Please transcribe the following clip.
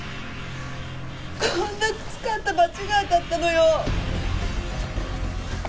こんな靴買ったバチが当たったのよ。